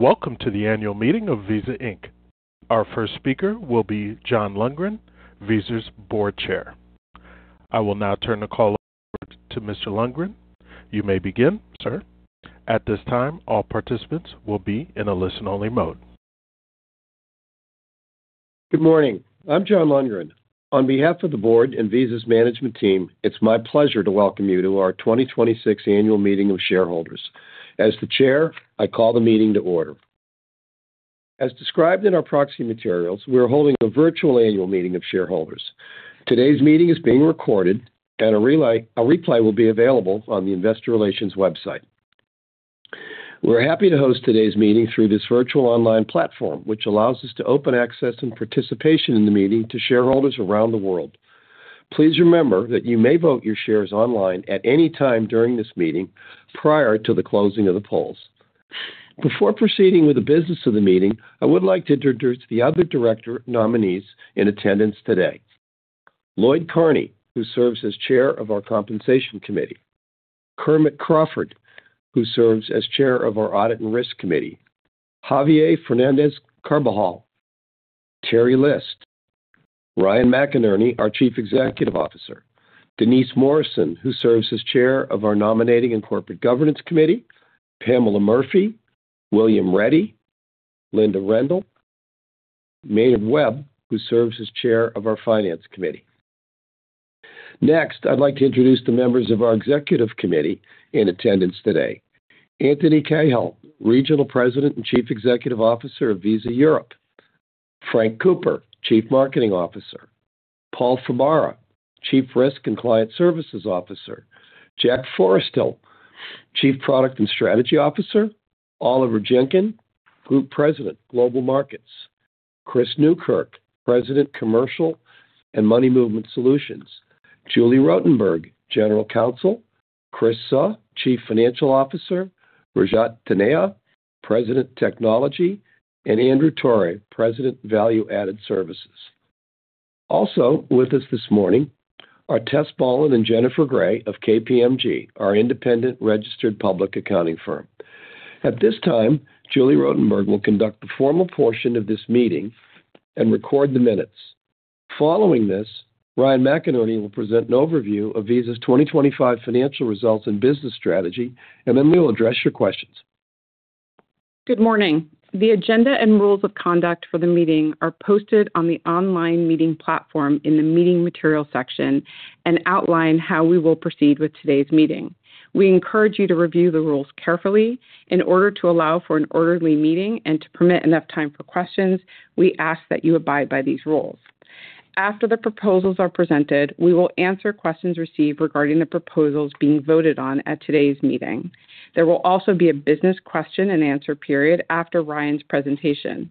Welcome to the Annual Meeting of Visa Inc. Our first speaker will be John Lundgren, Visa's Board Chair. I will now turn the call over to Mr. Lundgren. You may begin, sir. At this time, all participants will be in a listen-only mode. Good morning. I'm John Lundgren. On behalf of the board and Visa's management team, it's my pleasure to welcome you to our 2026 Annual Meeting of Shareholders. As the Chair, I call the meeting to order. As described in our proxy materials, we are holding a virtual Annual Meeting of Shareholders. Today's meeting is being recorded, and a replay will be available on the Investor Relations website. We're happy to host today's meeting through this virtual online platform, which allows us to open access and participation in the meeting to shareholders around the world. Please remember that you may vote your shares online at any time during this meeting, prior to the closing of the polls. Before proceeding with the business of the meeting, I would like to introduce the other director nominees in attendance today. Lloyd Carney, who serves as Chair of our Compensation Committee. Kermit Crawford, who serves as Chair of our Audit and Risk Committee. Javier Fernández-Carbajal, Teri List, Ryan McInerney, our Chief Executive Officer. Denise Morrison, who serves as Chair of our Nominating and Corporate Governance Committee. Pamela Murphy, William Ready, Linda Rendle, Maynard Webb, who serves as Chair of our Finance Committee. Next, I'd like to introduce the members of our executive committee in attendance today. Antony Cahill, Regional President and Chief Executive Officer of Visa Europe. Frank Cooper, Chief Marketing Officer. Paul Fabara, Chief Risk and Client Services Officer. Jack Forestell, Chief Product and Strategy Officer. Oliver Jenkyn, Group President, Global Markets. Chris Newkirk, President, Commercial and Money Movement Solutions. Julie Rottenberg, General Counsel. Chris Suh, Chief Financial Officer. Rajat Taneja, President, Technology, and Andrew Torre, President, Value-Added Services. Also with us this morning are Tess Boland and Jennifer Gray of KPMG, our independent registered public accounting firm. At this time, Julie Rottenberg will conduct the formal portion of this meeting and record the minutes. Following this, Ryan McInerney will present an overview of Visa's 2025 financial results and business strategy, and then we will address your questions. Good morning. The agenda and rules of conduct for the meeting are posted on the online meeting platform in the Meeting Materials section and outline how we will proceed with today's meeting. We encourage you to review the rules carefully in order to allow for an orderly meeting and to permit enough time for questions. We ask that you abide by these rules. After the proposals are presented, we will answer questions received regarding the proposals being voted on at today's meeting. There will also be a business question-and-answer period after Ryan's presentation.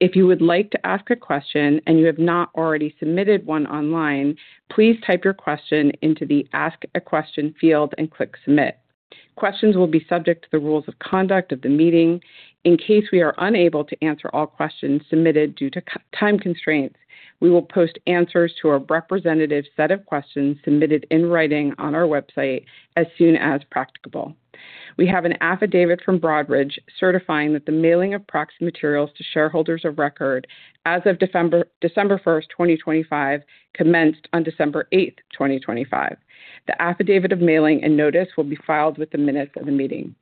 If you would like to ask a question and you have not already submitted one online, please type your question into the Ask a Question field and click Submit. Questions will be subject to the rules of conduct of the meeting. In case we are unable to answer all questions submitted due to time constraints, we will post answers to a representative set of questions submitted in writing on our website as soon as practicable. We have an affidavit from Broadridge certifying that the mailing of proxy materials to shareholders of record as of December 1, 2025, commenced on December 8, 2025. The affidavit of mailing and notice will be filed with the minutes of the meeting.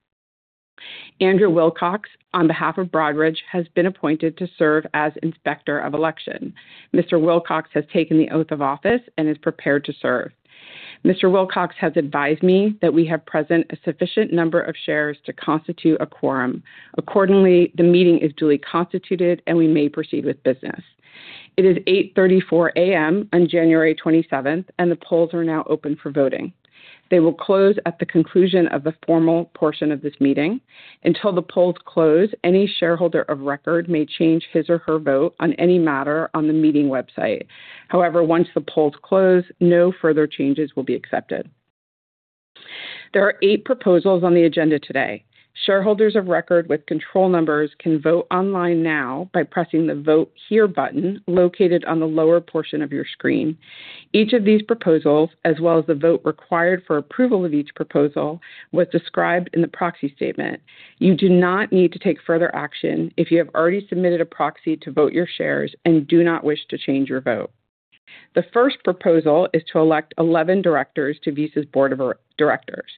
Andrew Wilcox, on behalf of Broadridge, has been appointed to serve as Inspector of Election. Mr. Wilcox has taken the oath of office and is prepared to serve. Mr. Wilcox has advised me that we have present a sufficient number of shares to constitute a quorum. Accordingly, the meeting is duly constituted, and we may proceed with business. It is 8:34 A.M. on January 27th, and the polls are now open for voting. They will close at the conclusion of the formal portion of this meeting. Until the polls close, any shareholder of record may change his or her vote on any matter on the meeting website. However, once the polls close, no further changes will be accepted. There are eight proposals on the agenda today. Shareholders of record with control numbers can vote online now by pressing the Vote Here button located on the lower portion of your screen. Each of these proposals, as well as the vote required for approval of each proposal, was described in the Proxy Statement. You do not need to take further action if you have already submitted a proxy to vote your shares and do not wish to change your vote. The first proposal is to elect 11 directors to Visa's Board of Directors.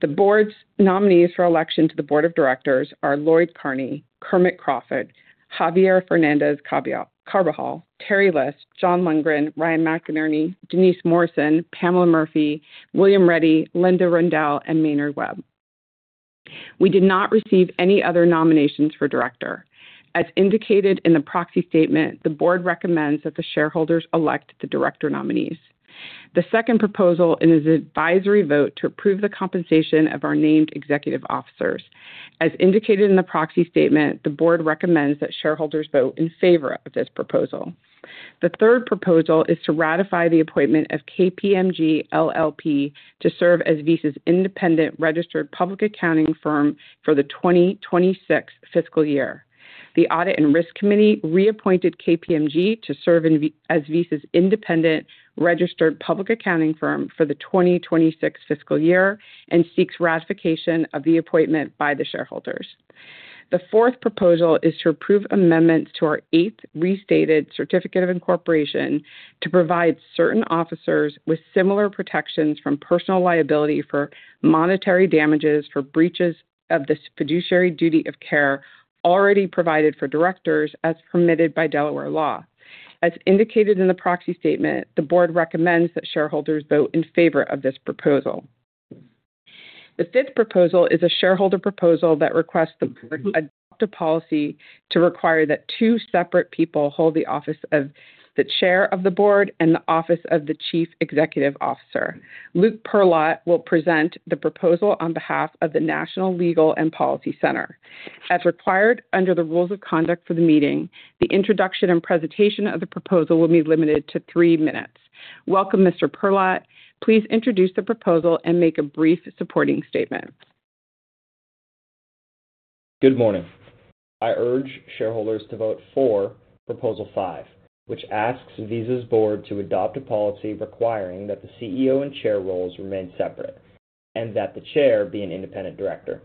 The board's nominees for election to the Board of Directors are Lloyd Carney, Kermit Crawford, Javier Fernández-Carbajal, Teri List, John Lundgren, Ryan McInerney, Denise Morrison, Pamela Murphy, William Ready, Linda Rendle, and Maynard Webb. We did not receive any other nominations for director. As indicated in the Proxy Statement, the board recommends that the shareholders elect the director nominees. The second proposal is an advisory vote to approve the compensation of our named executive officers. As indicated in the Proxy Statement, the board recommends that shareholders vote in favor of this proposal. The third proposal is to ratify the appointment of KPMG LLP to serve as Visa's independent registered public accounting firm for the 2026 fiscal year. The Audit and Risk Committee reappointed KPMG to serve as Visa's independent registered public accounting firm for the 2026 fiscal year and seeks ratification of the appointment by the shareholders. The fourth proposal is to approve amendments to our Eighth Restated Certificate of Incorporation to provide certain officers with similar protections from personal liability for monetary damages, for breaches of this fiduciary duty of care already provided for directors, as permitted by Delaware law. As indicated in the proxy statement, the board recommends that shareholders vote in favor of this proposal. The fifth proposal is a shareholder proposal that requests the board adopt a policy to require that two separate people hold the office of the chair of the board and the office of the chief executive officer. Luke Perlot will present the proposal on behalf of the National Legal and Policy Center. As required under the rules of conduct for the meeting, the introduction and presentation of the proposal will be limited to three minutes. Welcome, Mr. Perlot. Please introduce the proposal and make a brief supporting statement. Good morning. I urge shareholders to vote for Proposal 5, which asks Visa's board to adopt a policy requiring that the CEO and Chair roles remain separate, and that the chair be an independent director.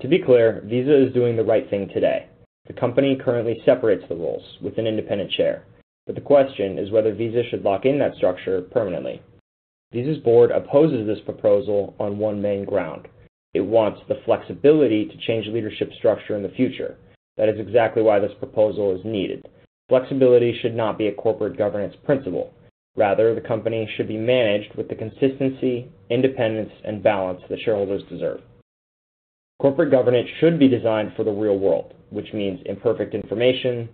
To be clear, Visa is doing the right thing today. The company currently separates the roles with an independent chair, but the question is whether Visa should lock in that structure permanently. Visa's board opposes this proposal on one main ground. It wants the flexibility to change leadership structure in the future. That is exactly why this proposal is needed. Flexibility should not be a corporate governance principle. Rather, the company should be managed with the consistency, independence, and balance that shareholders deserve. Corporate governance should be designed for the real world, which means imperfect information,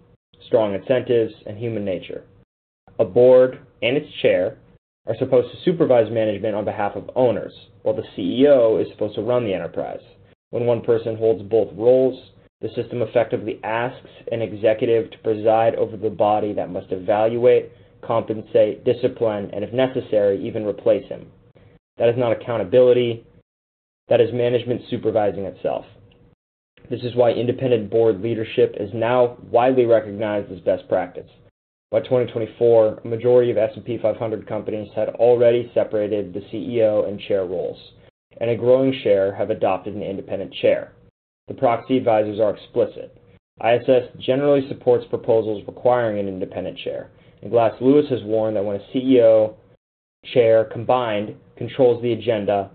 strong incentives, and human nature. A Board and its Chair are supposed to supervise management on behalf of owners, while the CEO is supposed to run the enterprise. When one person holds both roles, the system effectively asks an executive to preside over the body that must evaluate, compensate, discipline, and, if necessary, even replace him. That is not accountability. That is management supervising itself. This is why independent board leadership is now widely recognized as best practice. By 2024, a majority of S&P 500 companies had already separated the CEO and chair roles, and a growing share have adopted an Independent Chair. The proxy advisors are explicit. ISS generally supports proposals requiring an independent chair, and Glass Lewis has warned that when a CEO-Chair combined controls the agenda,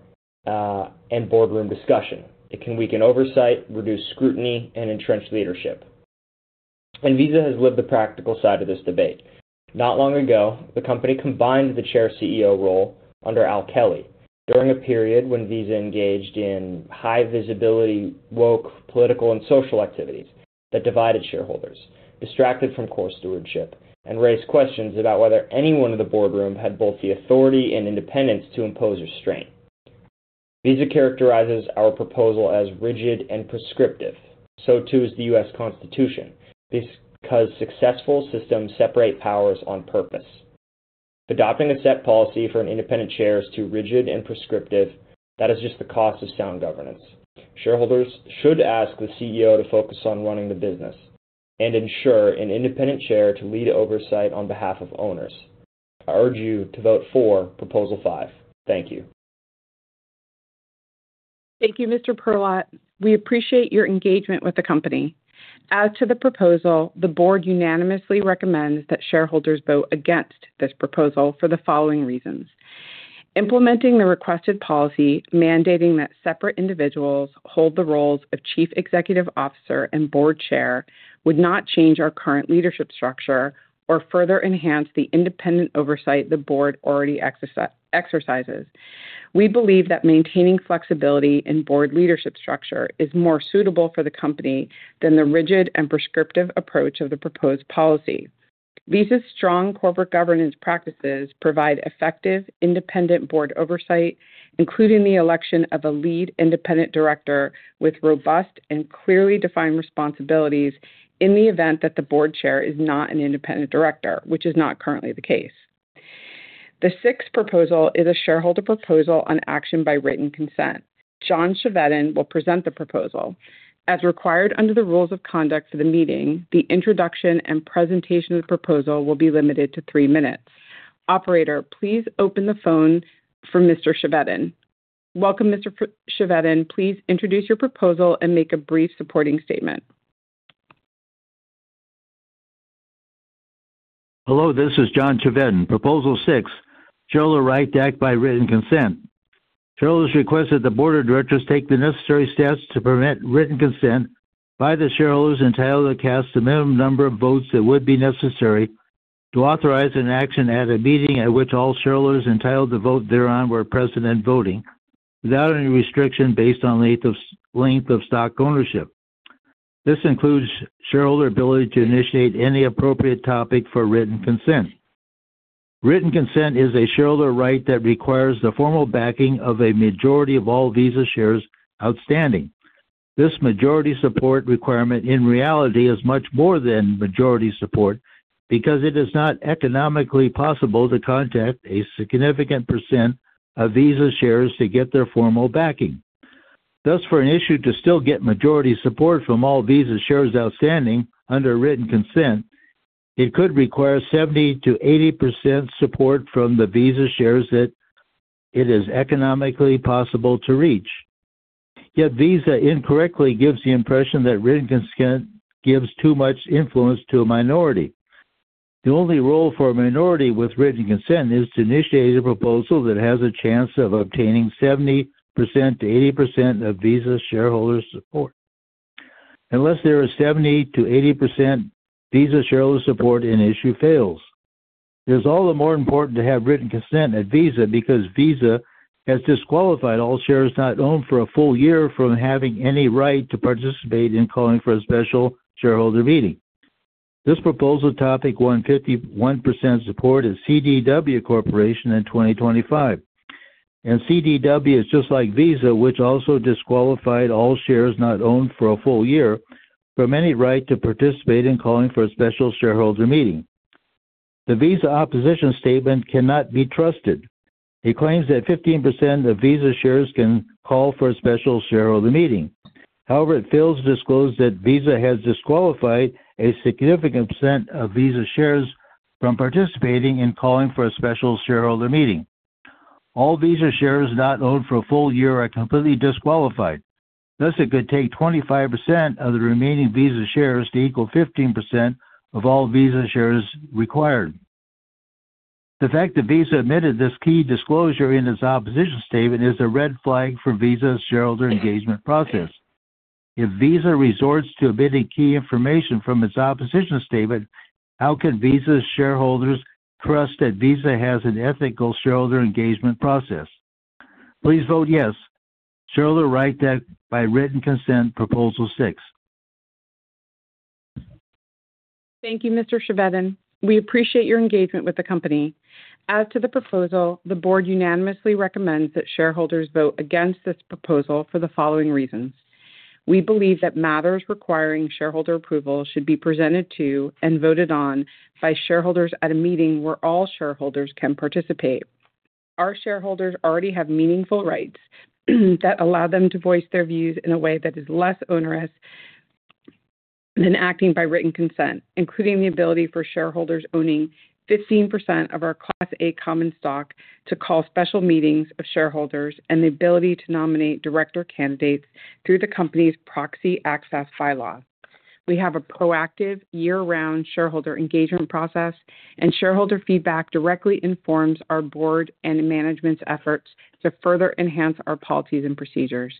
and boardroom discussion, it can weaken oversight, reduce scrutiny, and entrench leadership. And Visa has lived the practical side of this debate. Not long ago, the company combined the chair CEO role under Al Kelly during a period when Visa engaged in high visibility, woke political and social activities that divided shareholders, distracted from core stewardship, and raised questions about whether anyone in the boardroom had both the authority and independence to impose restraint. Visa characterizes our proposal as rigid and prescriptive, so too is the U.S. Constitution, because successful systems separate powers on purpose. Adopting a set policy for an independent chair is too rigid and prescriptive. That is just the cost of sound governance. Shareholders should ask the CEO to focus on running the business and ensure an independent chair to lead oversight on behalf of owners. I urge you to vote for Proposal 5. Thank you. Thank you, Mr. Perlot. We appreciate your engagement with the company. As to the proposal, the board unanimously recommends that shareholders vote against this proposal for the following reasons: Implementing the requested policy, mandating that separate individuals hold the roles of Chief Executive Officer and Board Chair, would not change our current leadership structure or further enhance the independent oversight the board already exercises. We believe that maintaining flexibility in board leadership structure is more suitable for the company than the rigid and prescriptive approach of the proposed policy. Visa's strong corporate governance practices provide effective independent board oversight, including the election of a lead independent director with robust and clearly defined responsibilities in the event that the board chair is not an Independent Director, which is not currently the case. The sixth proposal is a shareholder proposal on action by written consent. John Chevedden will present the proposal. As required under the rules of conduct for the meeting, the introduction and presentation of the proposal will be limited to three minutes. Operator, please open the phone for Mr. Chevedden. Welcome, Mr. Chevedden. Please introduce your proposal and make a brief supporting statement. Hello, this is John Chevedden, Proposal 6, shareholder right to act by written consent. Shareholders request that the Board of Directors take the necessary steps to permit written consent by the shareholders entitled to cast the minimum number of votes that would be necessary to authorize an action at a meeting at which all shareholders entitled to vote thereon were present and voting, without any restriction, based on length of stock ownership. This includes shareholder ability to initiate any appropriate topic for written consent. Written consent is a shareholder right that requires the formal backing of a majority of all Visa shares outstanding. This majority support requirement in reality is much more than majority support, because it is not economically possible to contact a significant percent of Visa shares to get their formal backing. Thus, for an issue to still get majority support from all Visa shares outstanding under a written consent, it could require 70%-80% support from the Visa shares that it is economically possible to reach. Yet Visa incorrectly gives the impression that written consent gives too much influence to a minority. The only role for a minority with written consent is to initiate a proposal that has a chance of obtaining 70%-80% of Visa shareholders' support. Unless there is 70%-80% Visa shareholder support, an issue fails. It is all the more important to have written consent at Visa because Visa has disqualified all shares not owned for a full year from having any right to participate in calling for a special shareholder meeting. This proposal topic won 51% support at CDW Corporation in 2025, and CDW is just like Visa, which also disqualified all shares not owned for a full year from any right to participate in calling for a special shareholder meeting. The Visa opposition statement cannot be trusted. It claims that 15% of Visa shares can call for a special shareholder meeting. However, it fails to disclose that Visa has disqualified a significant percent of Visa shares from participating in calling for a special shareholder meeting. All Visa shares not owned for a full year are completely disqualified. Thus, it could take 25% of the remaining Visa shares to equal 15% of all Visa shares required. The fact that Visa omitted this key disclosure in its opposition statement is a red flag for Visa's shareholder engagement process. If Visa resorts to omitting key information from its opposition statement, how can Visa's shareholders trust that Visa has an ethical shareholder engagement process? Please vote yes. Shareholder right to act by written consent, Proposal 6. Thank you, Mr. Chevedden. We appreciate your engagement with the company. As to the proposal, the board unanimously recommends that shareholders vote against this proposal for the following reasons: We believe that matters requiring shareholder approval should be presented to and voted on by shareholders at a meeting where all shareholders can participate. Our shareholders already have meaningful rights that allow them to voice their views in a way that is less onerous than acting by written consent, including the ability for shareholders owning 15% of our Class A Common Stock to call special meetings of shareholders and the ability to nominate director candidates through the company's Proxy Access Bylaw. We have a proactive year-round shareholder engagement process, and shareholder feedback directly informs our board and management's efforts to further enhance our policies and procedures.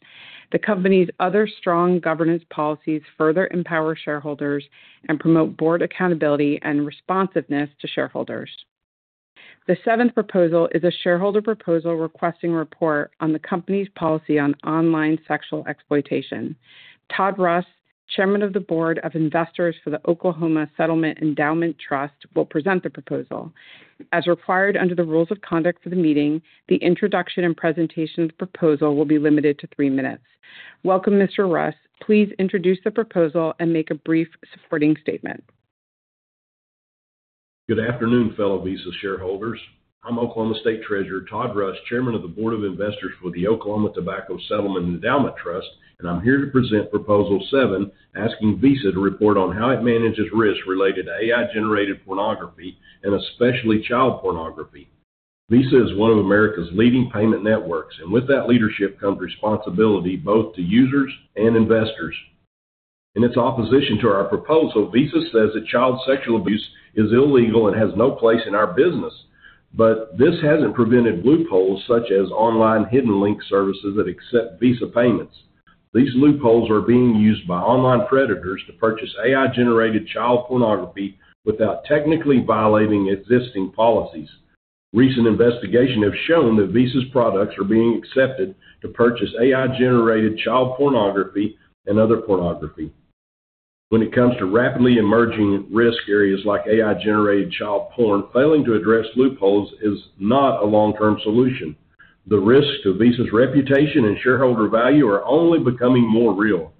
The company's other strong governance policies further empower shareholders and promote board accountability and responsiveness to shareholders. The seventh proposal is a shareholder proposal requesting report on the company's policy on online sexual exploitation. Todd Russ, Chairman of the Board of Investors for the Oklahoma Tobacco Settlement Endowment Trust, will present the proposal. As required under the rules of conduct for the meeting, the introduction and presentation of the proposal will be limited to three minutes. Welcome, Mr. Russ. Please introduce the proposal and make a brief supporting statement. Good afternoon, fellow Visa shareholders. I'm Oklahoma State Treasurer Todd Russ, Chairman of the Board of Investors for the Oklahoma Tobacco Settlement Endowment Trust, and I'm here to present Proposal 7, asking Visa to report on how it manages risks related to AI-generated pornography and especially child pornography. Visa is one of America's leading payment networks, and with that leadership comes responsibility both to users and investors. In its opposition to our proposal, Visa says that child sexual abuse is illegal and has no place in our business. But this hasn't prevented loopholes such as online hidden link services that accept Visa payments. These loopholes are being used by online predators to purchase AI-generated child pornography without technically violating existing policies. Recent investigations have shown that Visa's products are being accepted to purchase AI-generated child pornography and other pornography. When it comes to rapidly emerging risk areas like AI-generated child porn, failing to address loopholes is not a long-term solution. The risks to Visa's reputation and shareholder value are only becoming more real.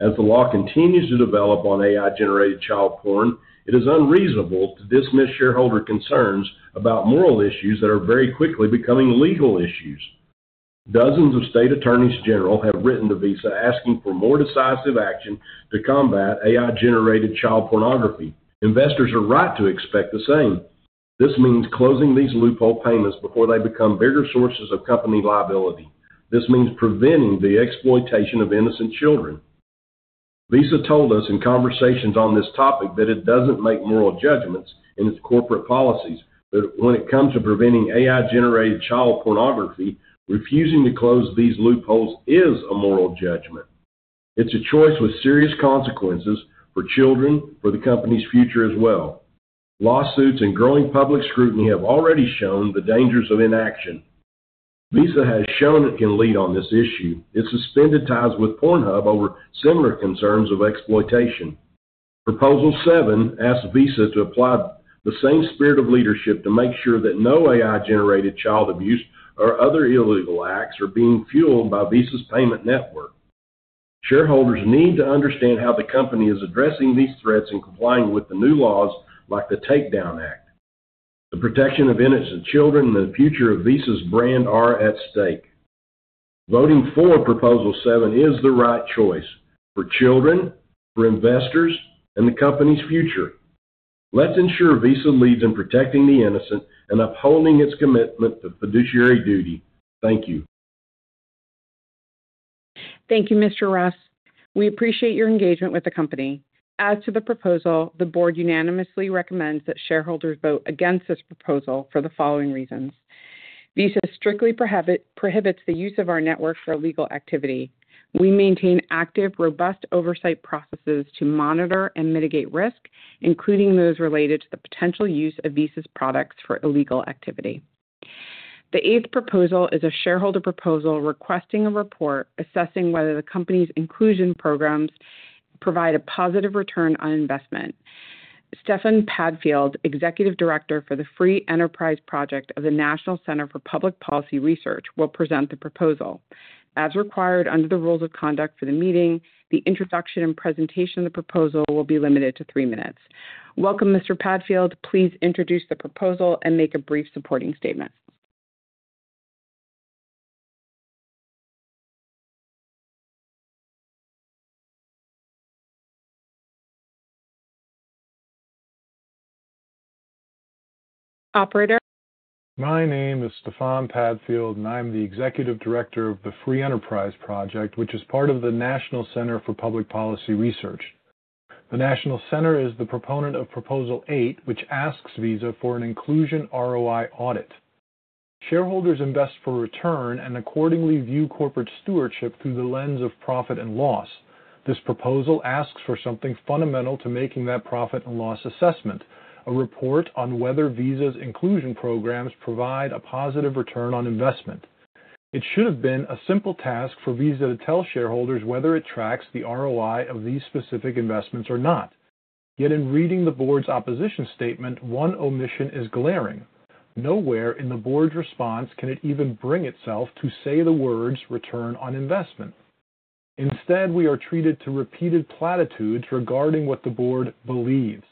As the law continues to develop on AI-generated child porn, it is unreasonable to dismiss shareholder concerns about moral issues that are very quickly becoming legal issues. Dozens of state attorneys general have written to Visa asking for more decisive action to combat AI-generated child pornography. Investors are right to expect the same. This means closing these loophole payments before they become bigger sources of company liability. This means preventing the exploitation of innocent children. Visa told us in conversations on this topic that it doesn't make moral judgments in its corporate policies, but when it comes to preventing AI-generated child pornography, refusing to close these loopholes is a moral judgment. It's a choice with serious consequences for children, for the company's future as well. Lawsuits and growing public scrutiny have already shown the dangers of inaction. Visa has shown it can lead on this issue. It suspended ties with Pornhub over similar concerns of exploitation. Proposal 7 asks Visa to apply the same spirit of leadership to make sure that no AI-generated child abuse or other illegal acts are being fueled by Visa's payment network. Shareholders need to understand how the company is addressing these threats and complying with the new laws, like the TAKE IT DOWN Act. The protection of innocent children and the future of Visa's brand are at stake. Voting for Proposal 7 is the right choice for children, for investors, and the company's future. Let's ensure Visa leads in protecting the innocent and upholding its commitment to fiduciary duty. Thank you. Thank you, Mr. Russ. We appreciate your engagement with the company. As to the proposal, the Board unanimously recommends that shareholders vote against this proposal for the following reasons: Visa strictly prohibit, prohibits the use of our network for illegal activity. We maintain active, robust oversight processes to monitor and mitigate risk, including those related to the potential use of Visa's products for illegal activity. The eighth proposal is a shareholder proposal requesting a report assessing whether the company's inclusion programs provide a positive return on investment. Stefan Padfield, Executive Director for the Free Enterprise Project of the National Center for Public Policy Research, will present the proposal. As required under the rules of conduct for the meeting, the introduction and presentation of the proposal will be limited to three minutes. Welcome, Mr. Padfield. Please introduce the proposal and make a brief supporting statement. Operator? My name is Stefan Padfield, and I'm the Executive Director of the Free Enterprise Project, which is part of the National Center for Public Policy Research. The National Center is the proponent of Proposal 8, which asks Visa for an inclusion ROI audit. Shareholders invest for return and accordingly view corporate stewardship through the lens of profit and loss. This proposal asks for something fundamental to making that profit and loss assessment, a report on whether Visa's inclusion programs provide a positive return on investment. It should have been a simple task for Visa to tell shareholders whether it tracks the ROI of these specific investments or not. Yet in reading the board's opposition statement, one omission is glaring. Nowhere in the board's response can it even bring itself to say the words return on investment. Instead, we are treated to repeated platitudes regarding what the board believes.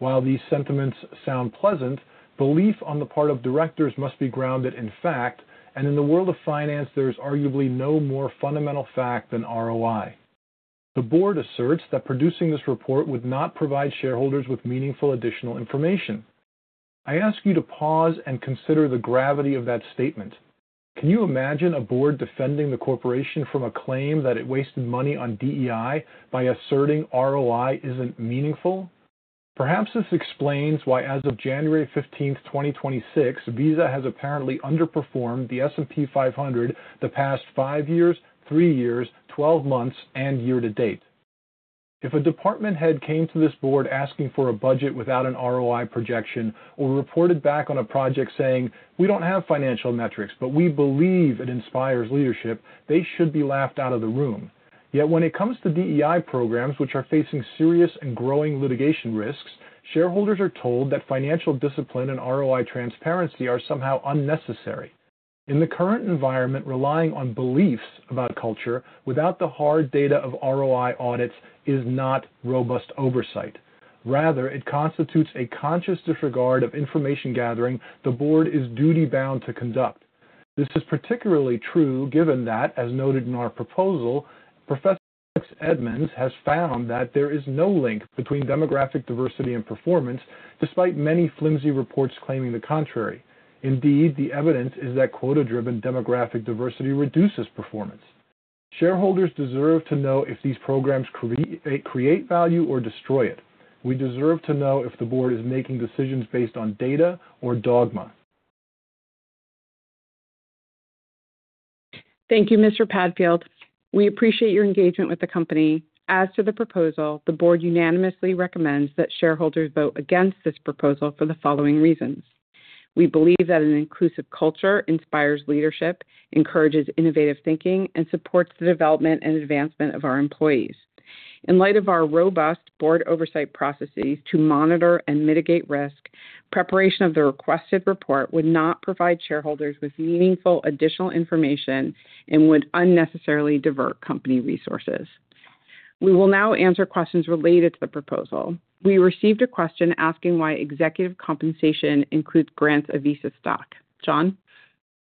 While these sentiments sound pleasant, belief on the part of directors must be grounded in fact, and in the world of finance, there is arguably no more fundamental fact than ROI. The board asserts that producing this report would not provide shareholders with meaningful additional information. I ask you to pause and consider the gravity of that statement. Can you imagine a board defending the corporation from a claim that it wasted money on DEI by asserting ROI isn't meaningful? Perhaps this explains why, as of January 15, 2026, Visa has apparently underperformed the S&P 500 the past five years, three years, 12 months, and year to date. If a department head came to this board asking for a budget without an ROI projection or reported back on a project saying, "We don't have financial metrics, but we believe it inspires leadership," they should be laughed out of the room. Yet, when it comes to DEI programs, which are facing serious and growing litigation risks, shareholders are told that financial discipline and ROI transparency are somehow unnecessary. In the current environment, relying on beliefs about culture without the hard data of ROI audits is not robust oversight. Rather, it constitutes a conscious disregard of information gathering the board is duty-bound to conduct. This is particularly true, given that, as noted in our proposal, Professor Edmans has found that there is no link between demographic diversity and performance, despite many flimsy reports claiming the contrary. Indeed, the evidence is that quota-driven demographic diversity reduces performance. Shareholders deserve to know if these programs create value or destroy it. We deserve to know if the board is making decisions based on data or dogma. Thank you, Mr. Padfield. We appreciate your engagement with the company. As to the proposal, the board unanimously recommends that shareholders vote against this proposal for the following reasons: We believe that an inclusive culture inspires leadership, encourages innovative thinking, and supports the development and advancement of our employees. In light of our robust board oversight processes to monitor and mitigate risk, preparation of the requested report would not provide shareholders with meaningful additional information and would unnecessarily divert company resources. We will now answer questions related to the proposal. We received a question asking why executive compensation includes grants of Visa stock. John?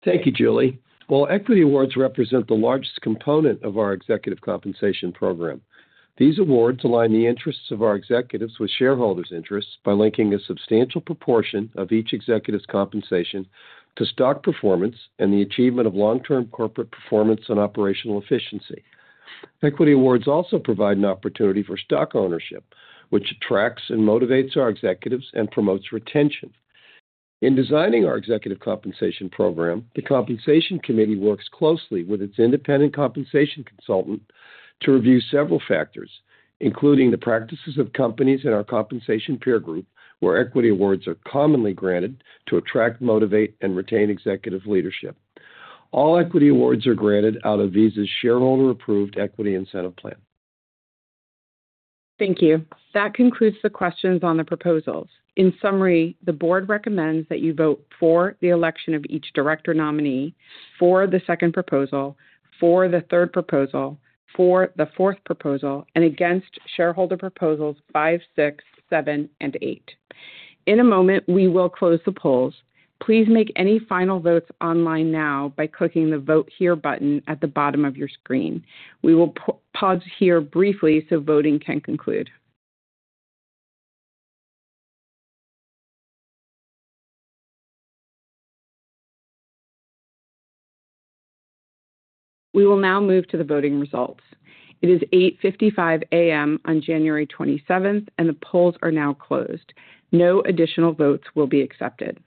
Thank you, Julie. Well, equity awards represent the largest component of our executive compensation program. These awards align the interests of our executives with shareholders' interests by linking a substantial proportion of each executive's compensation to stock performance and the achievement of long-term corporate performance and operational efficiency. Equity awards also provide an opportunity for stock ownership, which attracts and motivates our executives and promotes retention. In designing our executive compensation program, the compensation committee works closely with its independent compensation consultant to review several factors, including the practices of companies in our compensation peer group, where equity awards are commonly granted to attract, motivate, and retain executive leadership. All equity awards are granted out of Visa's shareholder-approved equity incentive plan. Thank you. That concludes the questions on the proposals. In summary, the board recommends that you vote for the election of each director nominee, for the second proposal, for the third proposal, for the fourth proposal, and against shareholder proposals 5, 6, 7, and 8. In a moment, we will close the polls. Please make any final votes online now by clicking the Vote Here button at the bottom of your screen. We will pause here briefly so voting can conclude. We will now move to the voting results. It is 8:55 A.M. on January 27th, and the polls are now closed. No additional votes will be accepted.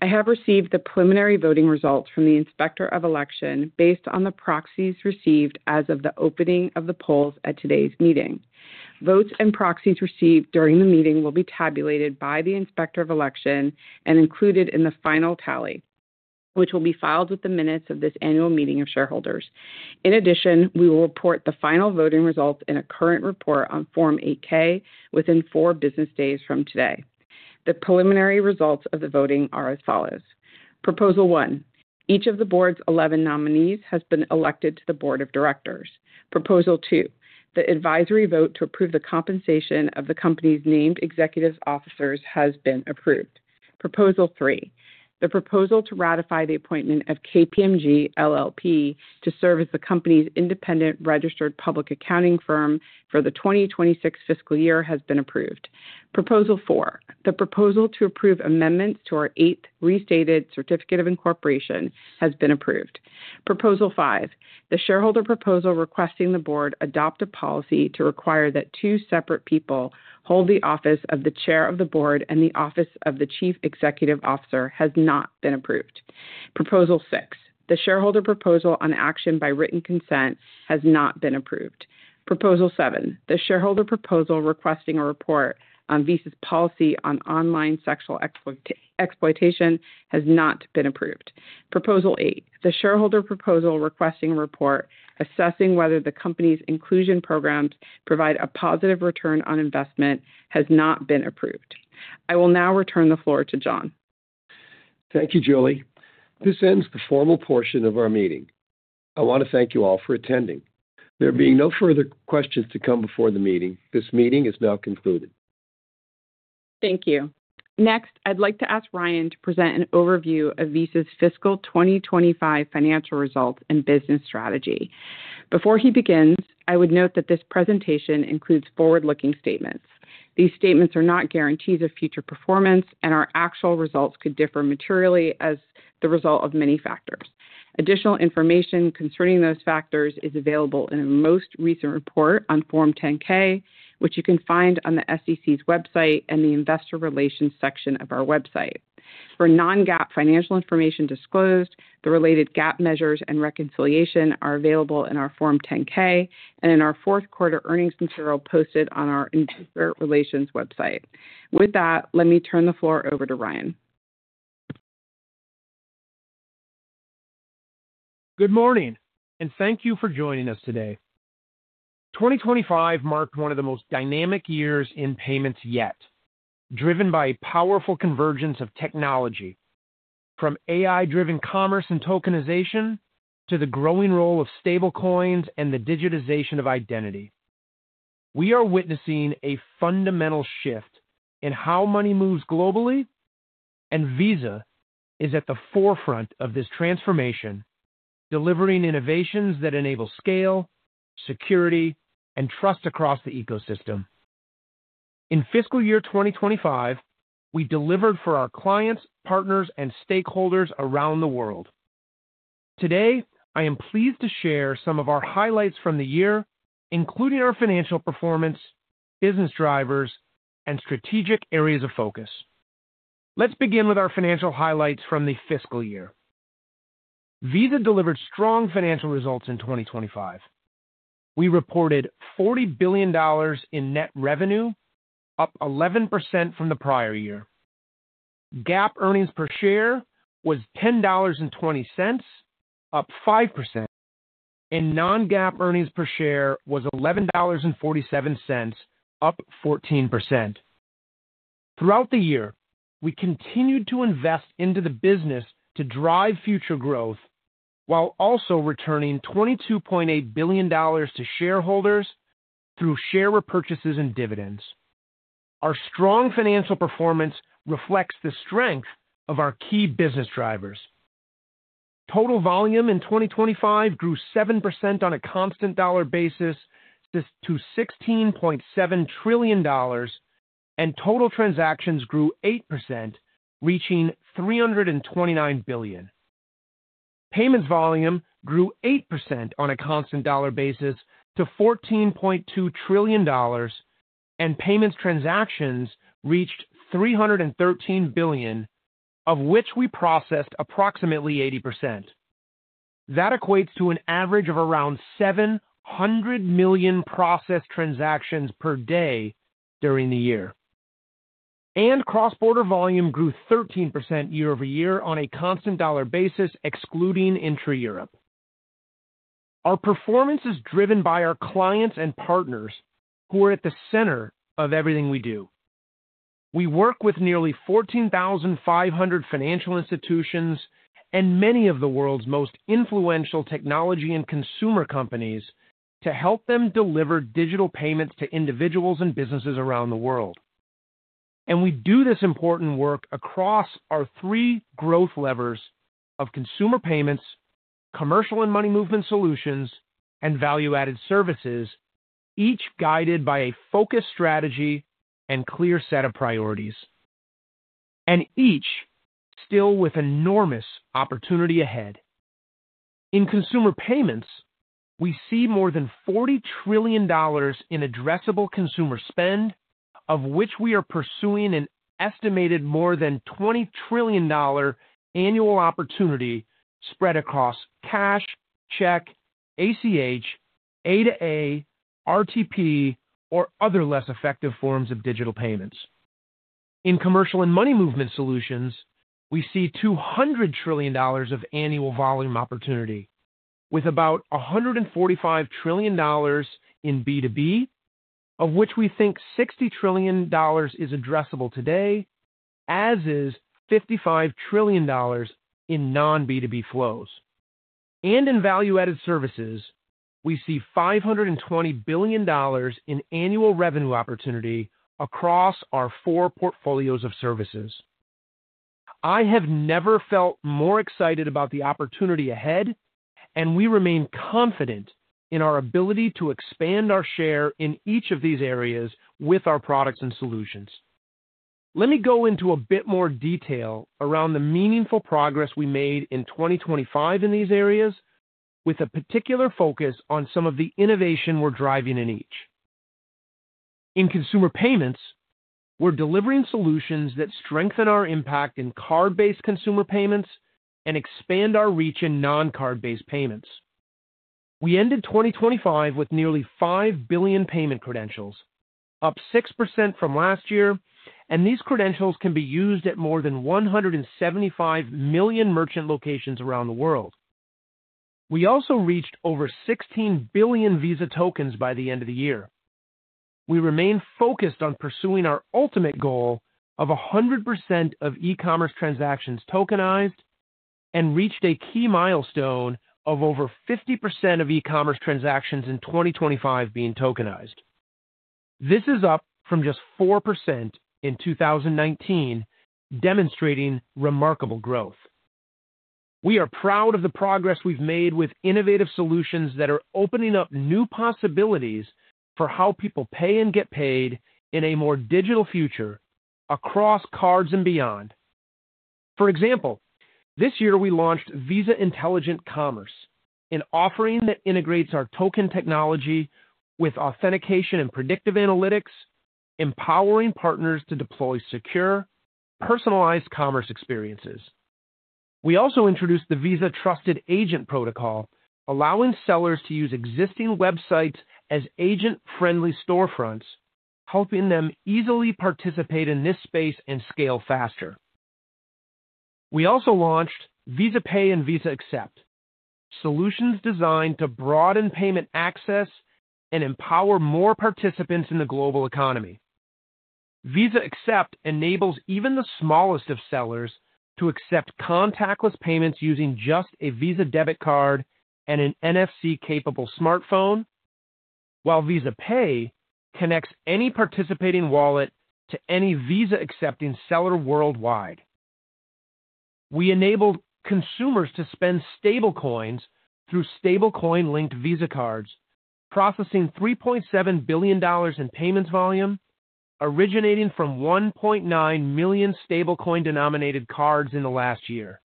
I have received the preliminary voting results from the Inspector of Election based on the proxies received as of the opening of the polls at today's meeting. Votes and proxies received during the meeting will be tabulated by the Inspector of Election and included in the final tally, which will be filed with the minutes of this Annual Meeting of Shareholders. In addition, we will report the final voting results in a current report on Form 8-K within four business days from today. The preliminary results of the voting are as follows: Proposal 1, each of the board's 11 nominees has been elected to the Board of Directors. Proposal 2, the advisory vote to approve the compensation of the company's named executive officers has been approved. Proposal 3, the proposal to ratify the appointment of KPMG LLP to serve as the company's independent registered public accounting firm for the 2026 fiscal year has been approved. Proposal 4, the proposal to approve amendments to our Eighth Restated Certificate of Incorporation has been approved. Proposal 5, the shareholder proposal requesting the board adopt a policy to require that two separate people hold the office of the Chair of the Board and the office of the Chief Executive Officer has not been approved. Proposal 6, the shareholder proposal on action by written consent has not been approved. Proposal 7, the shareholder proposal requesting a report on Visa's policy on online sexual exploitation has not been approved. Proposal 8, the shareholder proposal requesting a report assessing whether the company's inclusion programs provide a positive return on investment has not been approved. I will now return the floor to John. Thank you, Julie. This ends the formal portion of our meeting. I want to thank you all for attending. There being no further questions to come before the meeting, this meeting is now concluded. Thank you. Next, I'd like to ask Ryan to present an overview of Visa's fiscal 2025 financial results and business strategy. Before he begins, I would note that this presentation includes forward-looking statements. These statements are not guarantees of future performance, and our actual results could differ materially as the result of many factors. Additional information concerning those factors is available in our most recent report on Form 10-K, which you can find on the SEC's website and the Investor Relations section of our website. For non-GAAP financial information disclosed, the related GAAP measures and reconciliation are available in our Form 10-K and in our fourth-quarter earnings material posted on our Investor Relations website. With that, let me turn the floor over to Ryan. Good morning, and thank you for joining us today. 2025 marked one of the most dynamic years in payments yet, driven by a powerful convergence of technology, from AI-driven commerce and tokenization to the growing role of stablecoins and the digitization of identity. We are witnessing a fundamental shift in how money moves globally, and Visa is at the forefront of this transformation, delivering innovations that enable scale, security, and trust across the ecosystem. In fiscal year 2025, we delivered for our clients, partners, and stakeholders around the world. Today, I am pleased to share some of our highlights from the year, including our financial performance, business drivers, and strategic areas of focus. Let's begin with our financial highlights from the fiscal year. Visa delivered strong financial results in 2025. We reported $40 billion in net revenue, up 11% from the prior year. GAAP earnings per share was $10.20, up 5%, and non-GAAP earnings per share was $11.47, up 14%. Throughout the year, we continued to invest into the business to drive future growth, while also returning $22.8 billion to shareholders through share repurchases and dividends. Our strong financial performance reflects the strength of our key business drivers. Total volume in 2025 grew 7% on a constant dollar basis to $16.7 trillion, and total transactions grew 8%, reaching 329 billion. Payments volume grew 8% on a constant dollar basis to $14.2 trillion, and payments transactions reached 313 billion, of which we processed approximately 80%. That equates to an average of around 700 million processed transactions per day during the year. Cross-border volume grew 13% year-over-year on a constant dollar basis, excluding intra-Europe. Our performance is driven by our clients and partners, who are at the center of everything we do. We work with nearly 14,500 financial institutions and many of the world's most influential technology and consumer companies to help them deliver digital payments to individuals and businesses around the world. And we do this important work across our three growth levers of consumer payments, commercial and money movement solutions, and value-added services, each guided by a focused strategy and clear set of priorities, and each still with enormous opportunity ahead. In consumer payments, we see more than $40 trillion in addressable consumer spend, of which we are pursuing an estimated more than $20 trillion annual opportunity spread across cash, check, ACH, A2A, RTP, or other less effective forms of digital payments. In commercial and money movement solutions, we see $200 trillion of annual volume opportunity, with about $145 trillion in B2B, of which we think $60 trillion is addressable today, as is $55 trillion in non-B2B flows. And in value-added services, we see $520 billion in annual revenue opportunity across our four portfolios of services. I have never felt more excited about the opportunity ahead, and we remain confident in our ability to expand our share in each of these areas with our products and solutions. Let me go into a bit more detail around the meaningful progress we made in 2025 in these areas, with a particular focus on some of the innovation we're driving in each. In consumer payments, we're delivering solutions that strengthen our impact in card-based consumer payments and expand our reach in non-card-based payments. We ended 2025 with nearly 5 billion payment credentials, up 6% from last year, and these credentials can be used at more than 175 million merchant locations around the world. We also reached over 16 billion Visa tokens by the end of the year. We remain focused on pursuing our ultimate goal of 100% of e-commerce transactions tokenized and reached a key milestone of over 50% of e-commerce transactions in 2025 being tokenized. This is up from just 4% in 2019, demonstrating remarkable growth. We are proud of the progress we've made with innovative solutions that are opening up new possibilities for how people pay and get paid in a more digital future across cards and beyond. For example, this year we launched Visa Intelligent Commerce, an offering that integrates our token technology with authentication and predictive analytics, empowering partners to deploy secure, personalized commerce experiences. We also introduced the Visa Trusted Agent Protocol, allowing sellers to use existing websites as agent-friendly storefronts, helping them easily participate in this space and scale faster. We also launched Visa Pay and Visa Accept, solutions designed to broaden payment access and empower more participants in the global economy. Visa Accept enables even the smallest of sellers to accept contactless payments using just a Visa debit card and an NFC-capable smartphone. While Visa Pay connects any participating wallet to any Visa-accepting seller worldwide. We enabled consumers to spend stablecoins through stablecoin-linked Visa cards, processing $3.7 billion in payments volume, originating from 1.9 million stablecoin-denominated cards in the last year.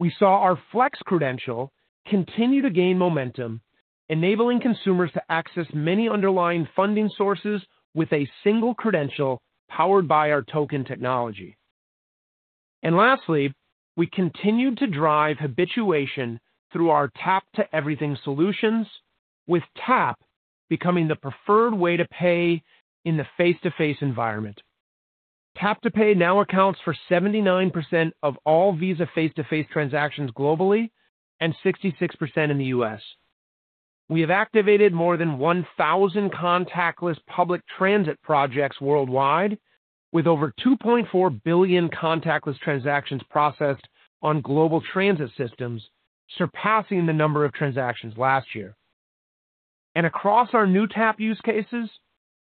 We saw our Flex credential continue to gain momentum, enabling consumers to access many underlying funding sources with a single credential powered by our token technology. Lastly, we continued to drive habituation through our Tap to Everything solutions, with tap becoming the preferred way to pay in the face-to-face environment. Tap to Pay now accounts for 79% of all Visa face-to-face transactions globally and 66% in the U.S. We have activated more than 1,000 contactless public transit projects worldwide, with over 2.4 billion contactless transactions processed on global transit systems, surpassing the number of transactions last year. Across our new tap use cases,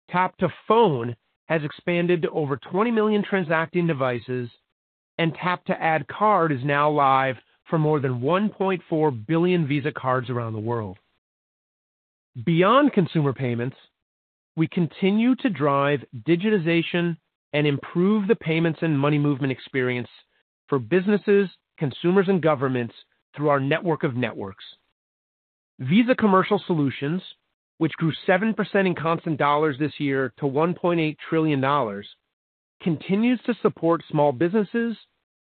Tap to Phone has expanded to over 20 million transacting devices, and Tap to Add Card is now live for more than 1.4 billion Visa cards around the world. Beyond consumer payments, we continue to drive digitization and improve the payments and money movement experience for businesses, consumers, and governments through our network of networks. Visa Commercial Solutions, which grew 7% in constant dollars this year to $1.8 trillion, continues to support small businesses,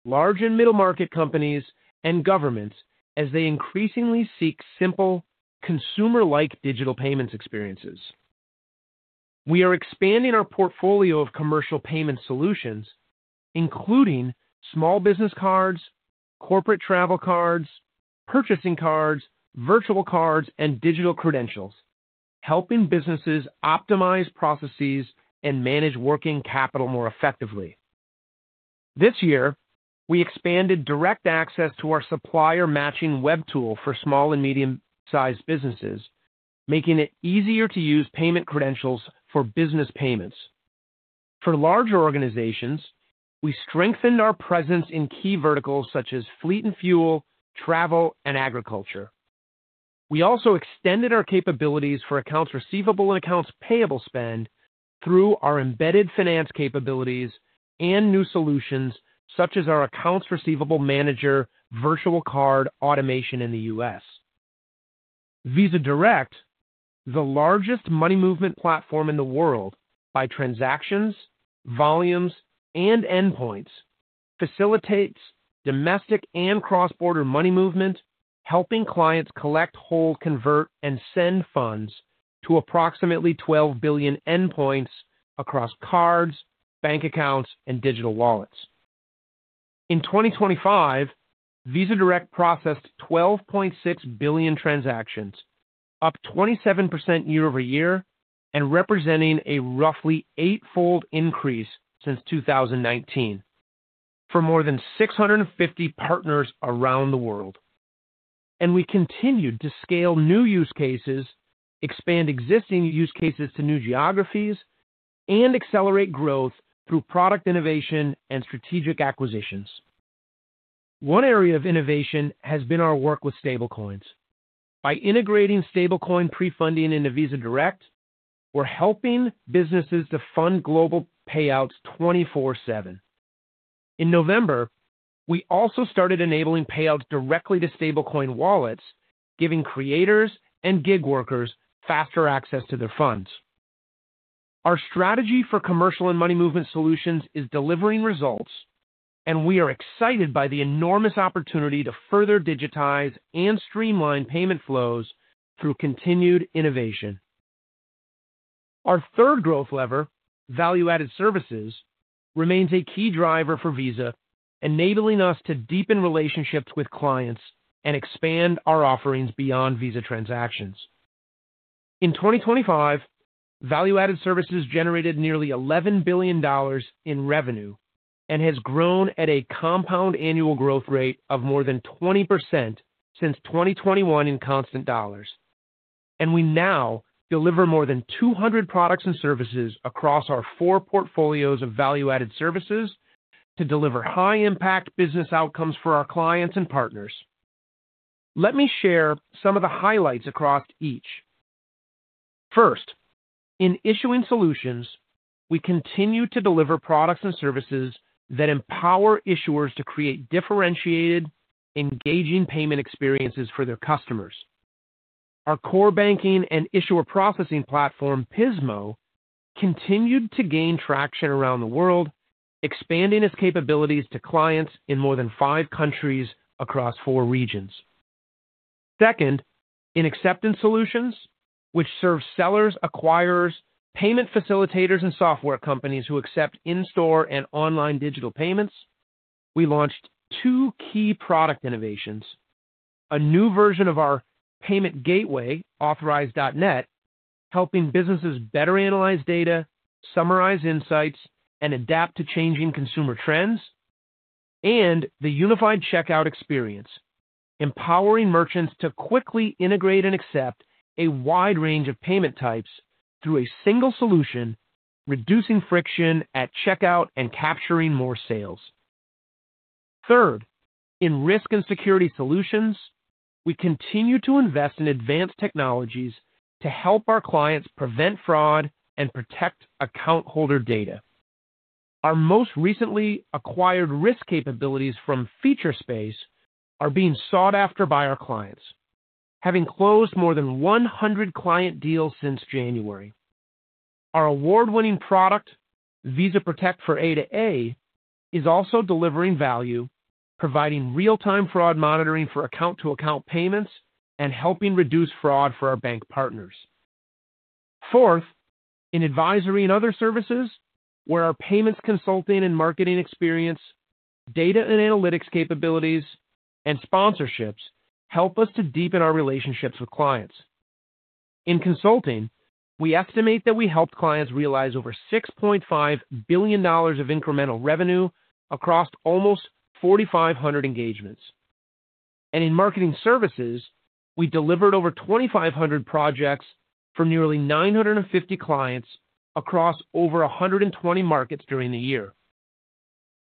large and middle-market companies, and governments as they increasingly seek simple, consumer-like digital payments experiences. We are expanding our portfolio of commercial payment solutions, including small business cards, corporate travel cards, purchasing cards, virtual cards, and digital credentials, helping businesses optimize processes and manage working capital more effectively. This year, we expanded direct access to our supplier matching web tool for small and medium-sized businesses, making it easier to use payment credentials for business payments. For larger organizations, we strengthened our presence in key verticals such as fleet and fuel, travel, and agriculture. We also extended our capabilities for accounts receivable and accounts payable spend through our embedded finance capabilities and new solutions, such as our Accounts Receivable Manager, virtual card automation in the U.S. Visa Direct, the largest money movement platform in the world by transactions, volumes, and endpoints, facilitates domestic and cross-border money movement, helping clients collect, hold, convert, and send funds to approximately 12 billion endpoints across cards, bank accounts, and digital wallets. In 2025, Visa Direct processed 12.6 billion transactions, up 27% year-over-year, and representing a roughly eightfold increase since 2019 for more than 650 partners around the world. We continued to scale new use cases, expand existing use cases to new geographies, and accelerate growth through product innovation and strategic acquisitions. One area of innovation has been our work with stablecoins. By integrating stablecoin pre-funding into Visa Direct, we're helping businesses to fund global payouts 24/7. In November, we also started enabling payouts directly to stablecoin wallets, giving creators and gig workers faster access to their funds. Our strategy for commercial and money movement solutions is delivering results, and we are excited by the enormous opportunity to further digitize and streamline payment flows through continued innovation. Our third growth lever, Value-Added Services, remains a key driver for Visa, enabling us to deepen relationships with clients and expand our offerings beyond Visa transactions. In 2025, Value-Added Services generated nearly $11 billion in revenue and has grown at a compound annual growth rate of more than 20% since 2021 in constant dollars. We now deliver more than 200 products and services across our four portfolios of Value-Added Services to deliver high-impact business outcomes for our clients and partners. Let me share some of the highlights across each. First, in Issuing Solutions, we continue to deliver products and services that empower issuers to create differentiated, engaging payment experiences for their customers. Our core banking and issuer processing platform, Pismo, continued to gain traction around the world, expanding its capabilities to clients in more than five countries across four regions. Second, in Acceptance Solutions, which serves sellers, acquirers, payment facilitators, and software companies who accept in-store and online digital payments, we launched two key product innovations: a new version of our payment gateway, Authorize.net, helping businesses better analyze data, summarize insights, and adapt to changing consumer trends, and the unified checkout experience, empowering merchants to quickly integrate and accept a wide range of payment types through a single solution, reducing friction at checkout and capturing more sales. Third, in Risk and Security Solutions, we continue to invest in advanced technologies to help our clients prevent fraud and protect account holder data. Our most recently acquired risk capabilities from Featurespace are being sought after by our clients, having closed more than 100 client deals since January. Our award-winning product, Visa Protect for A2A, is also delivering value, providing real-time fraud monitoring for account-to-account payments and helping reduce fraud for our bank partners. Fourth, in Advisory and Other Services, where our payments, consulting, and marketing experience, data and analytics capabilities, and sponsorships help us to deepen our relationships with clients. In consulting, we estimate that we helped clients realize over $6.5 billion of incremental revenue across almost 4,500 engagements. In marketing services, we delivered over 2,500 projects from nearly 950 clients across over 120 markets during the year.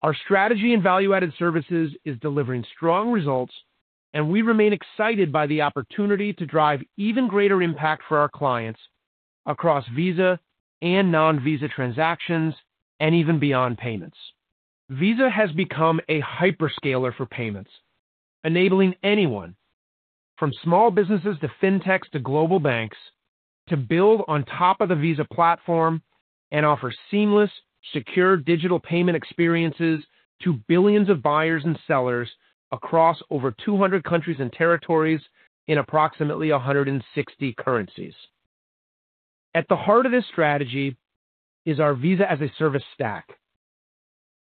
Our strategy and Value-Added Services is delivering strong results, and we remain excited by the opportunity to drive even greater impact for our clients across Visa and non-Visa transactions and even beyond payments. Visa has become a hyperscaler for payments, enabling anyone, from small businesses to fintechs to global banks, to build on top of the Visa platform and offer seamless, secure digital payment experiences to billions of buyers and sellers across over 200 countries and territories in approximately 160 currencies. At the heart of this strategy is our Visa as a Service stack.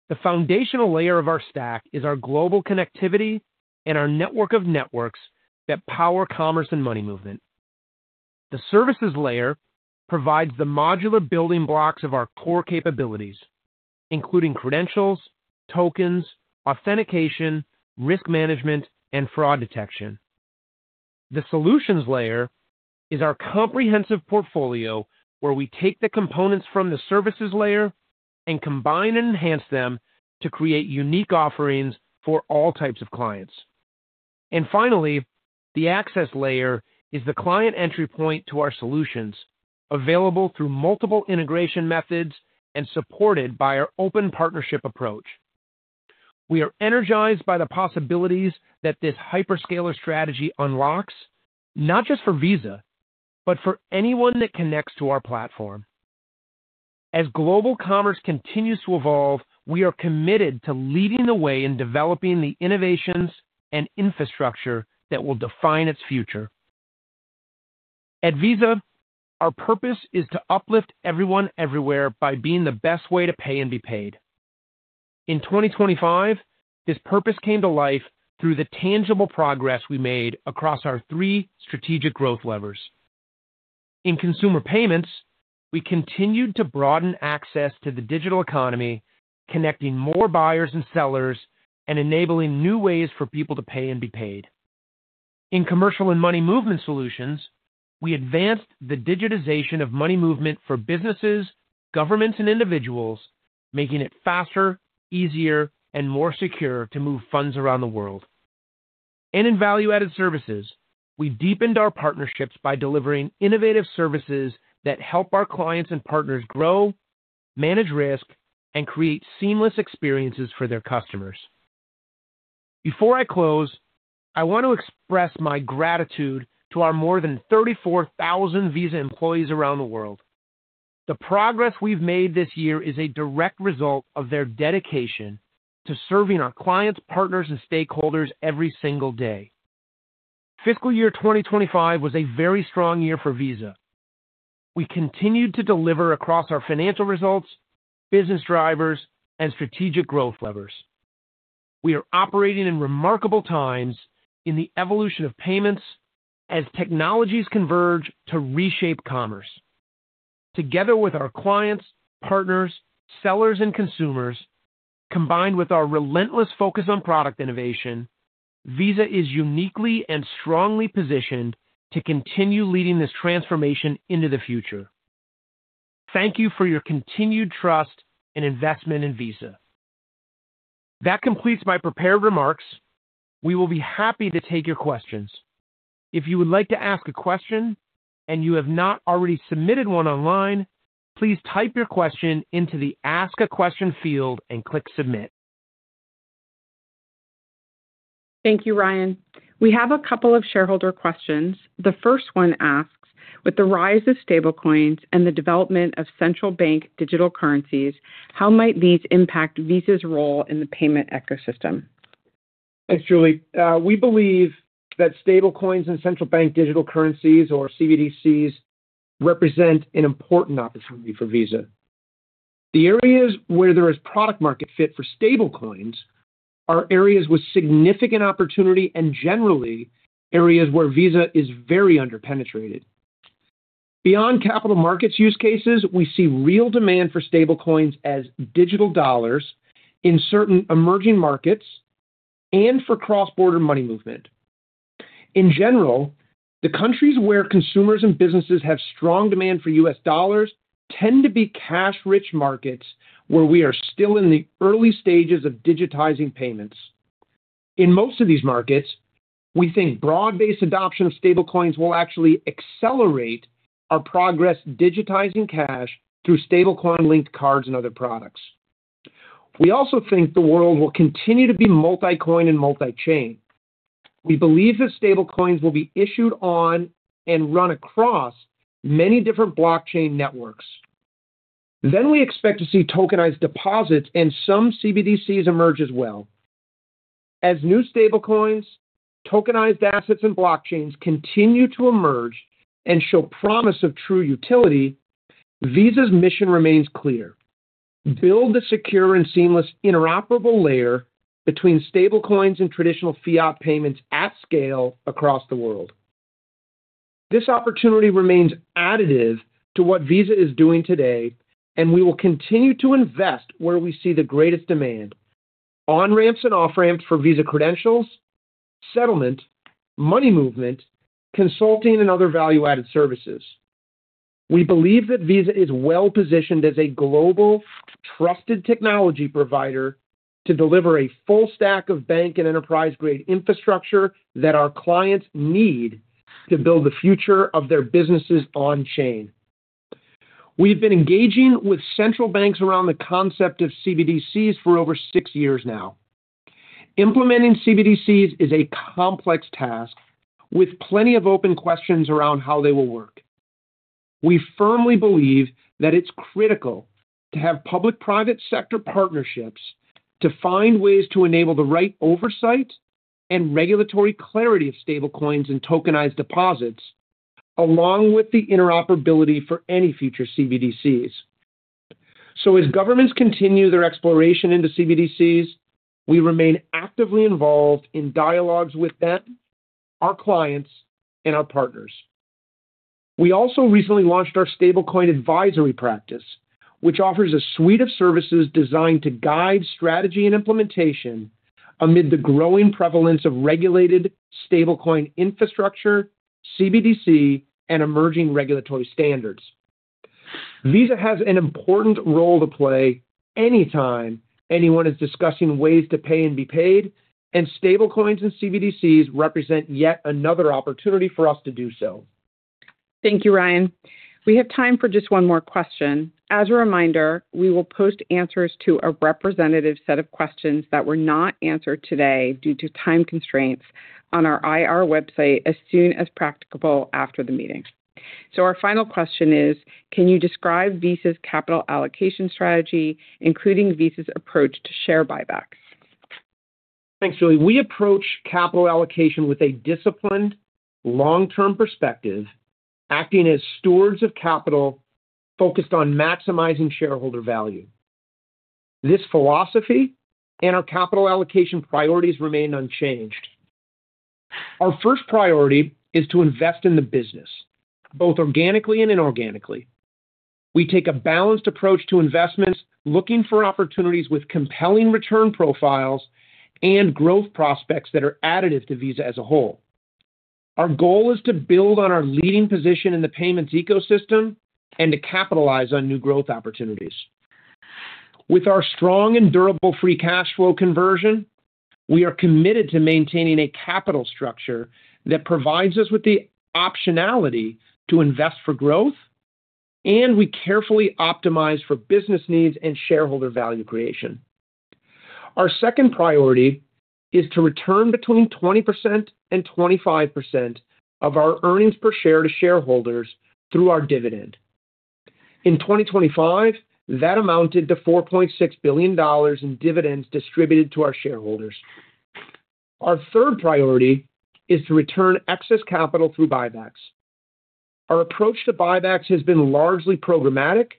The foundational layer of our stack is our global connectivity and our network of networks that power commerce and money movement. The services layer provides the modular building blocks of our core capabilities, including credentials, tokens, authentication, risk management, and fraud detection. The solutions layer is our comprehensive portfolio, where we take the components from the services layer and combine and enhance them to create unique offerings for all types of clients. Finally, the access layer is the client entry point to our solutions, available through multiple integration methods and supported by our open partnership approach. We are energized by the possibilities that this hyperscaler strategy unlocks, not just for Visa, but for anyone that connects to our platform. As global commerce continues to evolve, we are committed to leading the way in developing the innovations and infrastructure that will define its future. At Visa, our purpose is to uplift everyone, everywhere, by being the best way to pay and be paid. In 2025, this purpose came to life through the tangible progress we made across our three strategic growth levers. In consumer payments, we continued to broaden access to the digital economy, connecting more buyers and sellers and enabling new ways for people to pay and be paid. In commercial and money movement solutions, we advanced the digitization of money movement for businesses, governments, and individuals, making it faster, easier, and more secure to move funds around the world. And in value-added services, we deepened our partnerships by delivering innovative services that help our clients and partners grow, manage risk, and create seamless experiences for their customers. Before I close, I want to express my gratitude to our more than 34,000 Visa employees around the world. The progress we've made this year is a direct result of their dedication to serving our clients, partners, and stakeholders every single day. Fiscal year 2025 was a very strong year for Visa. We continued to deliver across our financial results, business drivers, and strategic growth levers. We are operating in remarkable times in the evolution of payments as technologies converge to reshape commerce. Together with our clients, partners, sellers, and consumers, combined with our relentless focus on product innovation, Visa is uniquely and strongly positioned to continue leading this transformation into the future. Thank you for your continued trust and investment in Visa. That completes my prepared remarks. We will be happy to take your questions. If you would like to ask a question and you have not already submitted one online, please type your question into the Ask a Question field and click Submit. Thank you, Ryan. We have a couple of shareholder questions. The first one asks: With the rise of stablecoins and the development of central bank digital currencies, how might these impact Visa's role in the payment ecosystem? Thanks, Julie. We believe that stablecoins and central bank digital currencies, or CBDCs, represent an important opportunity for Visa. The areas where there is product-market fit for stablecoins are areas with significant opportunity and generally areas where Visa is very under-penetrated. Beyond capital markets use cases, we see real demand for stablecoins as digital dollars in certain emerging markets and for cross-border money movement. In general, the countries where consumers and businesses have strong demand for U.S. dollars tend to be cash-rich markets where we are still in the early stages of digitizing payments. In most of these markets, we think broad-based adoption of stablecoins will actually accelerate our progress digitizing cash through stablecoin-linked cards and other products. We also think the world will continue to be multi-coin and multi-chain. We believe that stablecoins will be issued on and run across many different blockchain networks. Then we expect to see tokenized deposits and some CBDCs emerge as well. As new stablecoins, tokenized assets, and blockchains continue to emerge and show promise of true utility, Visa's mission remains clear: build a secure and seamless interoperable layer between stablecoins and traditional fiat payments at scale across the world. This opportunity remains additive to what Visa is doing today, and we will continue to invest where we see the greatest demand. On-ramps and off-ramps for Visa credentials, settlement, money movement, consulting, and other value-added services. We believe that Visa is well-positioned as a global, trusted technology provider to deliver a full stack of bank and enterprise-grade infrastructure that our clients need to build the future of their businesses on-chain. We've been engaging with central banks around the concept of CBDCs for over six years now. Implementing CBDCs is a complex task with plenty of open questions around how they will work. We firmly believe that it's critical to have public-private sector partnerships to find ways to enable the right oversight and regulatory clarity of stablecoins and tokenized deposits, along with the interoperability for any future CBDCs. So as governments continue their exploration into CBDCs, we remain actively involved in dialogues with them, our clients, and our partners. We also recently launched our Stablecoin Advisory Practice, which offers a suite of services designed to guide strategy and implementation amid the growing prevalence of regulated stablecoin infrastructure, CBDC, and emerging regulatory standards. Visa has an important role to play anytime anyone is discussing ways to pay and be paid, and stablecoins and CBDCs represent yet another opportunity for us to do so. Thank you, Ryan. We have time for just one more question. As a reminder, we will post answers to a representative set of questions that were not answered today due to time constraints on our IR website as soon as practicable after the meeting. So our final question is, can you describe Visa's capital allocation strategy, including Visa's approach to share buybacks? Thanks, Julie. We approach capital allocation with a disciplined, long-term perspective, acting as stewards of capital, focused on maximizing shareholder value. This philosophy and our capital allocation priorities remain unchanged. Our first priority is to invest in the business, both organically and inorganically. We take a balanced approach to investments, looking for opportunities with compelling return profiles and growth prospects that are additive to Visa as a whole. Our goal is to build on our leading position in the payments ecosystem and to capitalize on new growth opportunities. With our strong and durable free cash flow conversion, we are committed to maintaining a capital structure that provides us with the optionality to invest for growth, and we carefully optimize for business needs and shareholder value creation. Our second priority is to return between 20% and 25% of our earnings per share to shareholders through our dividend. In 2025, that amounted to $4.6 billion in dividends distributed to our shareholders. Our third priority is to return excess capital through buybacks. Our approach to buybacks has been largely programmatic,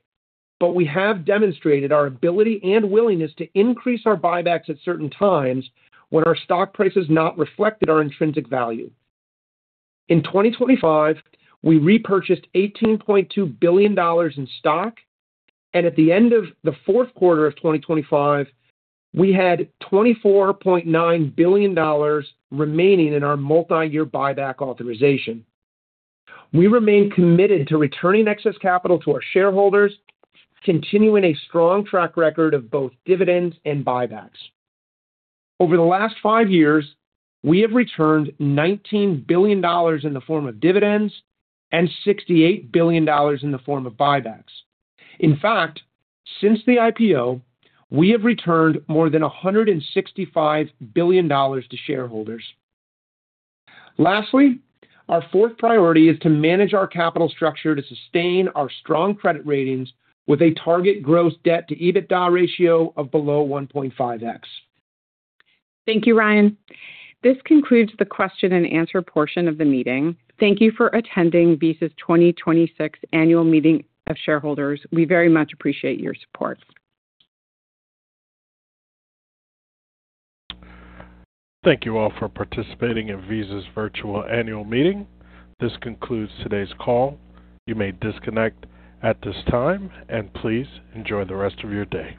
but we have demonstrated our ability and willingness to increase our buybacks at certain times when our stock price has not reflected our intrinsic value. In 2025, we repurchased $18.2 billion in stock, and at the end of the fourth quarter of 2025, we had $24.9 billion remaining in our multi-year buyback authorization. We remain committed to returning excess capital to our shareholders, continuing a strong track record of both dividends and buybacks. Over the last five years, we have returned $19 billion in the form of dividends and $68 billion in the form of buybacks. In fact, since the IPO, we have returned more than $165 billion to shareholders. Lastly, our fourth priority is to manage our capital structure to sustain our strong credit ratings with a target gross debt to EBITDA ratio of below 1.5x. Thank you, Ryan. This concludes the question and answer portion of the meeting. Thank you for attending Visa's 2026 Annual Meeting of Shareholders. We very much appreciate your support. Thank you all for participating in Visa's virtual annual meeting. This concludes today's call. You may disconnect at this time, and please enjoy the rest of your day.